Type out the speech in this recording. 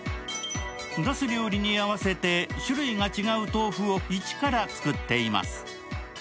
出す料理に合わせて種類が違う豆腐を一から作っています。